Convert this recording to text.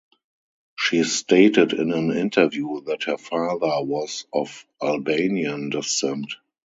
She stated in an interview that her father was of Albanian descent.